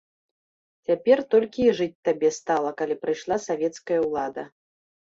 Цяпер толькі і жыць табе стала, калі прыйшла савецкая ўлада.